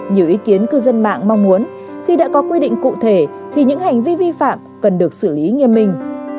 nhiều ý kiến cư dân mạng mong muốn khi đã có quy định cụ thể thì những hành vi vi phạm cần được xử lý nghiêm minh